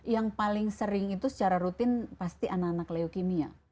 yang paling sering itu secara rutin pasti anak anak leukemia